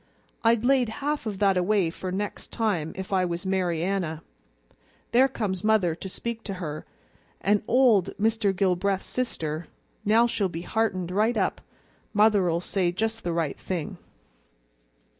I'd laid half of that away for next time, if I was Mary Anna. There comes mother to speak to her, an' old Mr. Gilbreath's sister; now she'll be heartened right up. Mother'll say just the right thing."